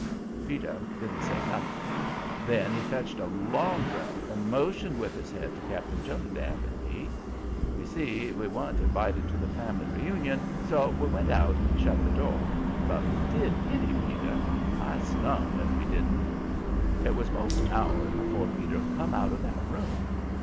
Peter didn't say nothing. Then he fetched a long breath and motioned with his head to Cap'n Jonadab and me. We see we weren't invited to the family reunion, so we went out and shut the door. But we did pity Peter; I snum if we didn't! It was most an hour afore Brown come out of that room.